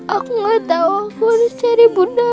aku gak tahu aku harus cari bunda